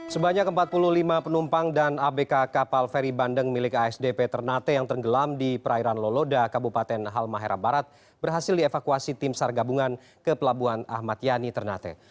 sebanyak empat puluh lima penumpang dan abk kapal feri bandeng milik asdp ternate yang tenggelam di perairan loloda kabupaten halmahera barat berhasil dievakuasi tim sar gabungan ke pelabuhan ahmad yani ternate